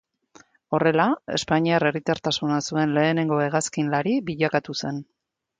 Horrela espainiar herritartasuna zuen lehenengo hegazkinlari bilakatu zen.